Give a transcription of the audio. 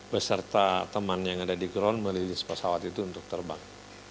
beserta teman yang ada di ground merilis pesawat itu untuk terbang